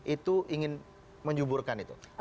itu ingin menyuburkan itu